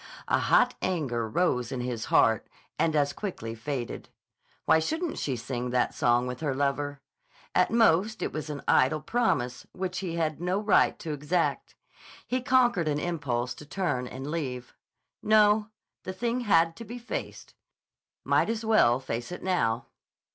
A hot anger rose in his heart and as quickly faded. Why shouldn't she sing that song with her lover? At most it was an idle promise which he had had no right to exact. He conquered an impulse to turn and leave. No; the thing had to be faced. Might as well face it now.